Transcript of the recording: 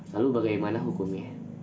lalu bagaimana hukumnya